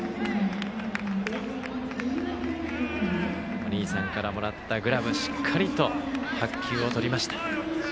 お兄さんからもらったグラブでしっかりと白球をとりました。